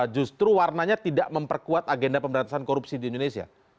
justru warnanya tidak memperkuat agenda pemberantasan korupsi di indonesia